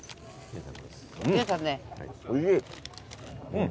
うん。